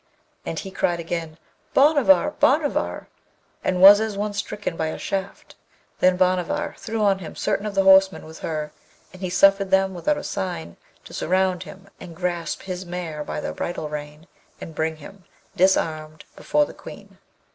And he cried again, 'Bhanavar! Bhanavar!' and was as one stricken by a shaft. Then Bhanavar threw on him certain of the horsemen with her, and he suffered them without a sign to surround him and grasp his mare by the bridle rein, and bring him, disarmed, before the Queen.